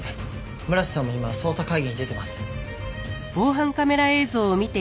村瀬さんも今捜査会議に出てます。